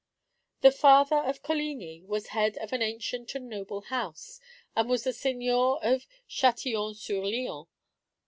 The father of Coligni was head of an ancient and noble house, and was the seigneur of Châtillon sur Lion.